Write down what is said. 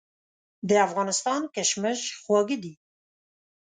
د افغانستان کشمش خواږه دي.